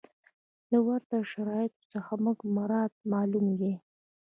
له ورته شرایطو څخه زموږ مراد معلوم دی.